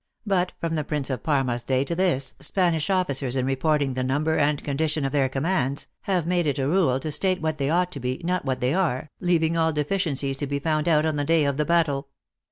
But from the Prince of Parma s day to this, Spanish officers in reporting the number and condition of their commands, have made it a rule to state what they ought to be, not what they are, leaving all deficiencies to be found out on the day of battle.